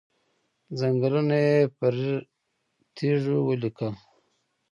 ځنګنونه يې پر تيږو ولګېدل.